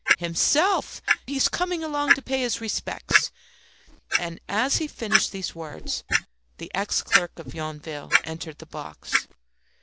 "Himself! He's coming along to pay his respects." And as he finished these words the ex clerk of Yonville entered the box.